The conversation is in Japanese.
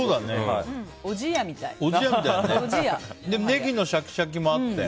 ネギのシャキシャキもあって。